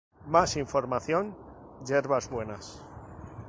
Más Información Yerbas Buenas